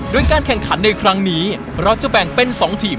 โดยการแข่งขันในครั้งนี้เราจะแบ่งเป็น๒ทีม